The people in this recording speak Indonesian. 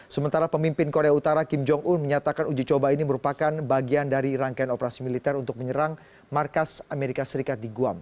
sementara pemimpin korea utara kim jong un menyatakan uji coba ini merupakan bagian dari rangkaian operasi militer untuk menyerang markas amerika serikat di guam